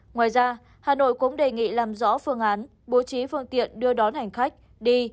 ngoài ra hà nội cũng đề nghị làm rõ phương án bố trí phương tiện đưa đón hành khách đi